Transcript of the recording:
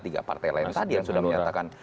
tiga partai lain tadi yang sudah menyatakan